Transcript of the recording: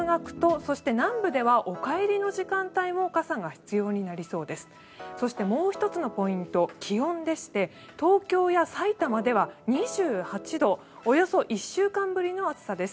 そして、もう１つのポイント気温でして、東京や埼玉では２８度およそ１週間ぶりの暑さです。